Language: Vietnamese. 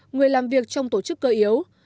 người làm việc trong tổ chức cơ yếu